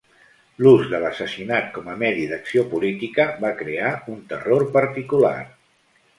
L'ús de l'assassinat com a medi d'acció política va crear un terror particular.